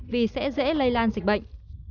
vì sẽ dễ lây lan dịch bệnh